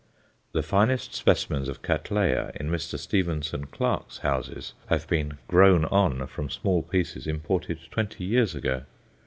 The finest specimens of Cattleya in Mr. Stevenson Clarke's houses have been "grown on" from small pieces imported twenty years ago.